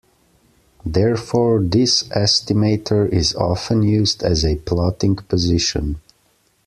Therefore, this estimator is often used as a plotting position.